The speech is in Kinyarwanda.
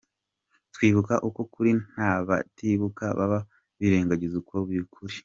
Twibuka uko kuri, n’abatibuka baba birengagiza uko kuri.